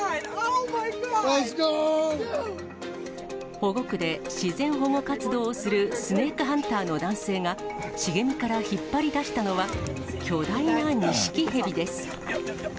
保護区で自然保護活動をするスネークハンターの男性が、茂みから引っ張り出したのは巨大なニシキヘビです。